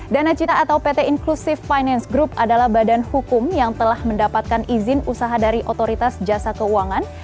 danacita atau pt inklusif finance group adalah badan hukum yang telah mendapatkan izin usaha dari otoritas jasa keuangan